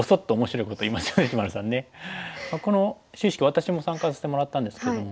この就位式私も参加させてもらったんですけども。